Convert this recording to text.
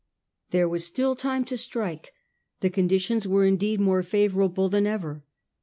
There was still time to strike. The conditions were indeed more favourable than ever.